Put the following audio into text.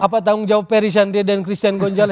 apa tanggung jawab perry shandria dan christian gonjala